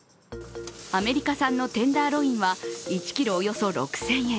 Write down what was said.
アメリカ産のテンダーロインは１ｋｇおよそ６０００円。